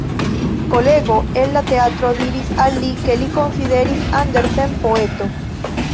Kolego el la teatro diris al li ke li konsideris Andersen poeto.